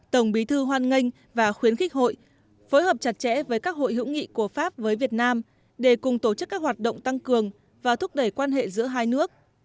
tổng bí thư hoan nghênh và khuyến khích hội phối hợp chặt chẽ với các hội hữu nghị của pháp với việt nam để cùng tổ chức các hoạt động tăng cường và thúc đẩy quan hệ giữa hai nước